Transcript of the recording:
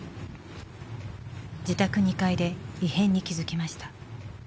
自宅２階で異変に気づきました。